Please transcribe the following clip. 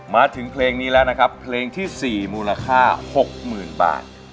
มาถึงเพลงนี้แล้วนะครับเพลงที่สี่มูลค่าหกหมื่นบาท